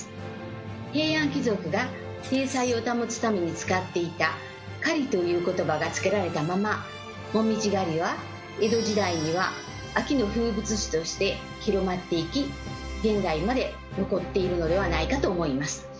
平安貴族が体裁を保つために使っていた「狩り」という言葉がつけられたまま「もみじ狩り」は江戸時代には秋の風物詩として広まっていき現在まで残っているのではないかと思います。